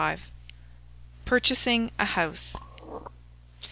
PURCHASING A HOUSE.